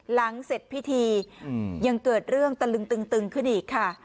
หลังเสร็จพิธียังเกิดเรื่องตะลึงตึงขึ้นอีกค่ะ